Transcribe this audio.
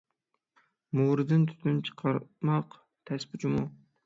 مورىدىن تۈتۈن چىقارماق تەس جۇمۇ!